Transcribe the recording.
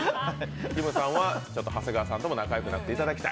きむさんは長谷川さんとも仲良くなっていただきたい。